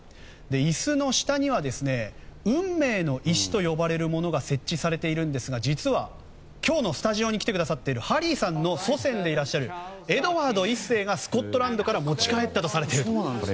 椅子の下には運命の石と呼ばれるものが設置されているんですが実は、今日のスタジオに来てくださっているハリーさんの祖先であるエドワード１世がスコットランドから持ち帰ったとされていると。